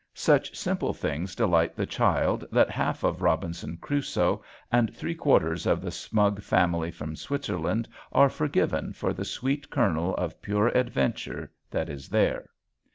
Such simple things delight the child that half of "Robinson Crusoe" and three quarters of the smug family from Switzerland are forgiven for the sweet kernel of pure adventure that is there.